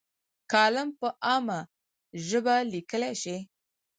کالم په عامه ژبه لیکلی شي.